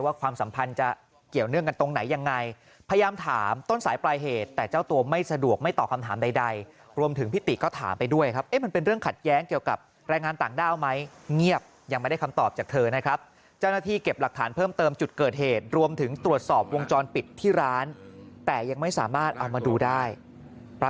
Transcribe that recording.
ว่าความสัมพันธ์จะเกี่ยวเนื่องกันตรงไหนยังไงพยายามถามต้นสายปลายเหตุแต่เจ้าตัวไม่สะดวกไม่ตอบคำถามใดรวมถึงพิธีก็ถามไปด้วยครับเอ๊ะมันเป็นเรื่องขัดแย้งเกี่ยวกับแรงงานต่างด้าวไหมเงียบยังไม่ได้คำตอบจากเธอนะครับเจ้าหน้าที่เก็บหลักฐานเพิ่มเติมจุดเกิดเหตุร